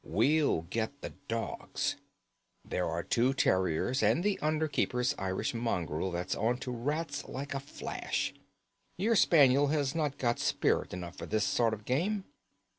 We'll get the dogs. There are the two terriers and the under keeper's Irish mongrel that's on to rats like a flash. Your spaniel has not got spirit enough for this sort of game."